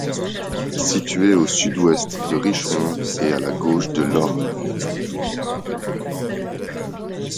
Situé au sud-ouest de Richemont et à la gauche de l'Orne.